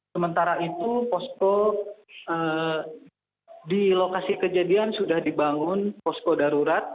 sementara itu posko di lokasi kejadian sudah dibangun posko darurat